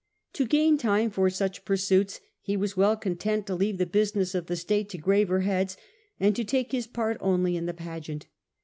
To gain time for such pursuits he was well content to leave the business of state to graver heads, and to take his part only in the pageant.